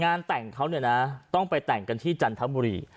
งานแต่งเขาเนี่ยนะต้องไปแต่งกันที่จันทบุรี